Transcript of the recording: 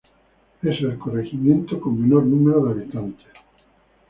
Es el corregimiento con menor número de habitantes.